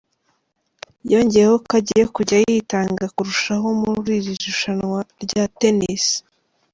Yongeyeho ko agiye kujya yitanga kurushaho muri buri rushanwa rya Tennis.